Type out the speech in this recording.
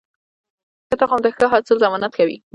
ښه تخم د ښه حاصل ضمانت کوي.